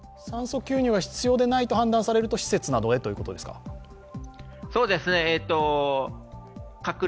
酸素吸入が必要でないと判断されると施設などへということですか？